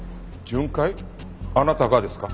あなたがですか？